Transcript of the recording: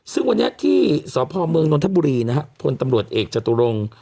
ซึ่งวันนี้ที่สพเมืองนนทบุรีนะฮะพลตำรวจเอกจตุรงค์